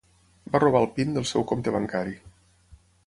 Va robar el PIN del seu compte bancari.